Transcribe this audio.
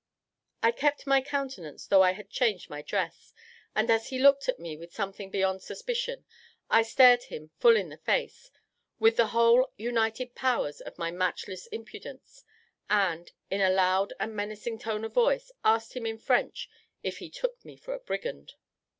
I kept my countenance though I had changed my dress, and as he looked at me with something beyond suspicion, I stared him full in the face, with the whole united powers of my matchless impudence, and, in a loud and menacing tone of voice, asked him in French if he took me for a brigand.